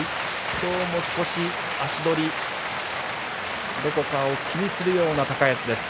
今日も少し足取り、どこかを気にするような高安です。